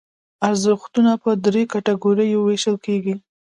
ارزښتونه په دریو کټګوریو ویشل کېږي.